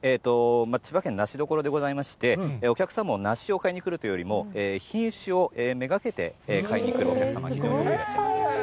千葉県、梨どころでございまして、お客さんも梨を買いに来るというよりも、品種をめがけて買いにくるお客様がいらっしゃいます。